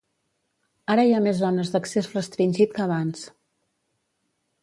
Ara hi ha més zones d'accés restringit que abans.